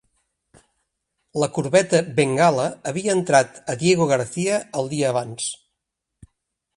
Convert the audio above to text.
La corveta "Bengala" havia entrat a Diego Garcia el dia abans.